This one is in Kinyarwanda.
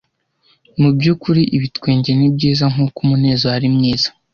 mubyukuri ibitwenge nibyiza nkuko umunezero ari mwiza